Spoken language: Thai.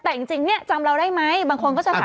แต่จริงเนี่ยจำเราได้ไหมบางคนก็จะถาม